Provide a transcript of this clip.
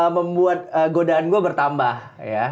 membuat godaan gue bertambah ya